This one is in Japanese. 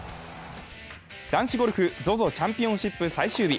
男子ゴルフ、ＺＯＺＯチャンピオンシップ最終日。